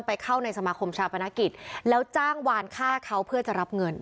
เข้าในสมาคมชาปนกิจแล้วจ้างวานฆ่าเขาเพื่อจะรับเงิน